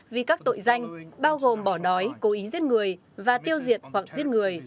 vì các tội danh bao gồm bỏ đói cố ý giết người và tiêu diệt hoặc giết người